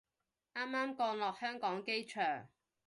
啱啱降落香港機場